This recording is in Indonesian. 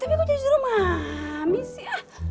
tapi gue jadi suruh mami sih